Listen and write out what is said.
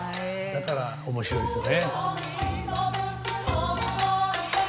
だから面白いですね。